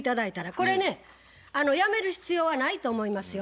これねやめる必要はないと思いますよ。